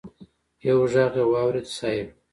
يو ږغ يې واورېد: صېب!